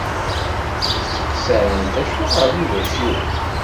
Steqsan-t acuɣer yugi aciwen.